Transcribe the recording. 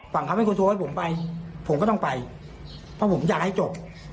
ฝั่งเขาไม่ควรโทรให้ผมไปผมก็ต้องไปเพราะผมย้ายให้จบ